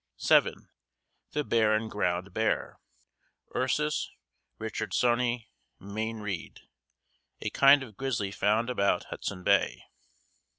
7. THE BARREN GROUND BEAR: Ursus richardsoni Mayne Reid. A kind of grizzly found about Hudson Bay.